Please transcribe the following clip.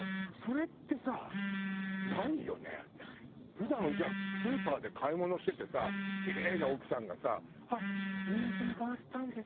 普段じゃあスーパーで買い物しててさキレイな奥さんがさ「あっニンジン買われたんですか？」